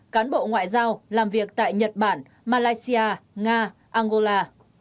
cán bộ ngoại giao làm việc tại nhật bản malaysia nga angola